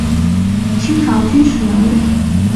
清朝军事人物。